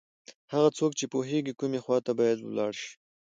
هغه څوک چې پوهېږي کومې خواته باید ولاړ شي.